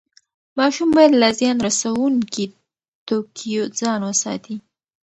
ماشوم باید له زیان رسوونکي توکیو ځان وساتي.